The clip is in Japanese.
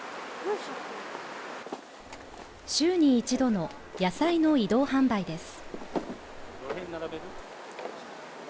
週に一度の野菜の移動販売です。